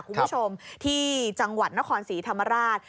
คุณผู้ชมที่จังหวัดนครศรีธรรมราช